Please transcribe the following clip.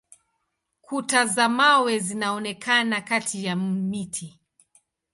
Kuta za mawe zinaonekana kati ya miti.